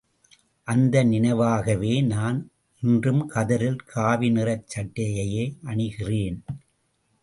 அந்தநினைவாகவே நான் என்றும் கதரில் காவி நிறச் சட்டையையே அணிகிறேன்.